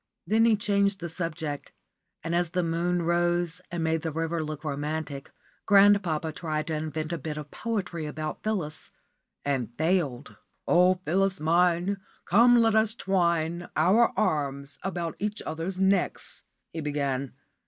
Then he changed the subject, and as the moon rose and made the river look romantic, grandpapa tried to invent a bit of poetry about Phyllis, and failed. "Oh, Phyllis mine, come let us twine our arms about each other's necks," he began.